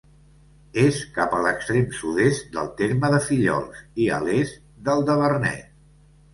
És cap a l'extrem sud-est del terme de Fillols i a l'est del de Vernet.